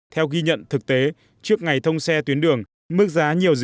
theo ghi nhận thực tế trước ngày thông xe tuyến đường